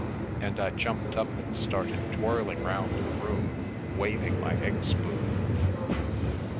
And I jumped up and started twirling round the room, waving my egg spoon.